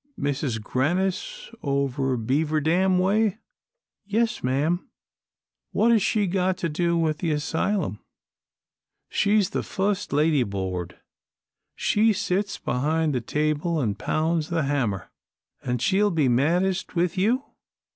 "Mrs. Grannis, over Beaver Dam way?" "Yes, ma'am." "What has she got to do with the asylum?" "She's the fust lady board. She sits behind the table an' pounds the hammer." "And she'll be maddest with you?"